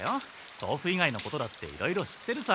豆腐いがいのことだっていろいろ知ってるさ。